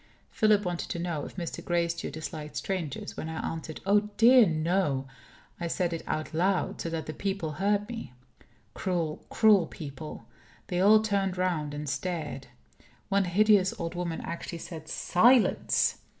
Philip wanted to know if Mr. Gracedieu disliked strangers. When I answered, "Oh dear, no!" I said it out loud, so that the people heard me. Cruel, cruel people! They all turned round and stared. One hideous old woman actually said, "Silence!"